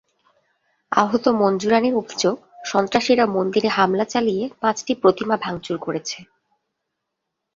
আহত মঞ্জু রানীর অভিযোগ, সন্ত্রাসীরা মন্দিরে হামলা চালিয়ে পাঁচটি প্রতিমা ভাঙচুর করেছে।